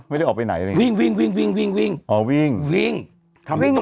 ไม่ได้ออกไปไหนวิ่งวิ่งวิ่งวิ่งวิ่งอ๋อวิ่งวิ่งวิ่ง